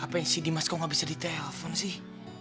apa yang si dimas kok gak bisa ditelepon sih